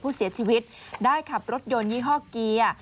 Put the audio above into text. ผู้เสียชีวิตได้ขับรถยนต์ยี่ห้อเกียร์